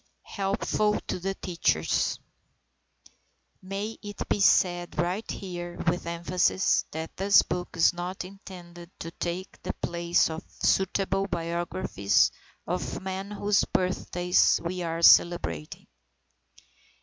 HELPFUL TO TEACHERS May it be said right here, with emphasis, that this book is not intended to take the place of suitable biographies of the men whose birthdays we are celebrating.